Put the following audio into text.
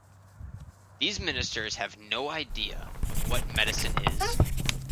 These ministers have no idea of what medicine is.